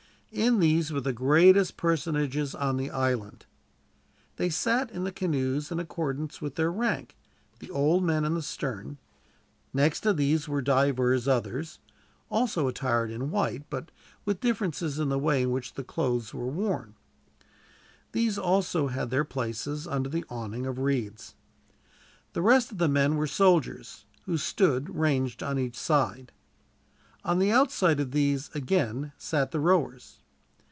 In these were the greatest personages on the island. They sat in the canoes in accordance with their rank, the old men in the stern. Next to these were divers others, also attired in white, but with differences in the way in which the clothes were worn. These also had their places under the awning of reeds. The rest of the men were soldiers, who stood ranged on each side. On the outside of these, again, sat the rowers.